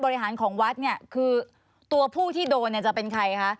ของวัดเนี่ยคือตัวผู้ที่โดนเนี่ยจะเป็นใครคะ